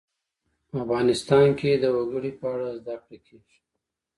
افغانستان کې د وګړي په اړه زده کړه کېږي.